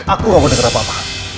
aku gak mau denger apa apa